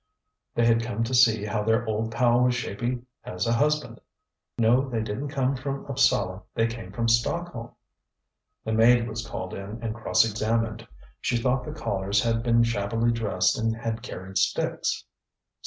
They had come to see how their old pal was shaping as a husband. ŌĆØ ŌĆ£No, they didnŌĆÖt come from Upsala, they came from Stockholm.ŌĆØ The maid was called in and cross examined. She thought the callers had been shabbily dressed and had carried sticks.